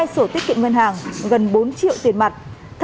hai sổ tiết kiệm ngân hàng gần bốn triệu tiền mặt